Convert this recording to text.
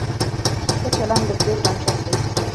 ښه چلند د پلور بنسټ دی.